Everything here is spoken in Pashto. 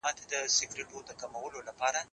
که وخت وي، سندري اورم.